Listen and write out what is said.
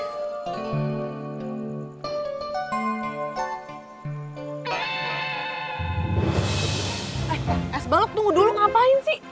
eh es balok tuh dulu ngapain sih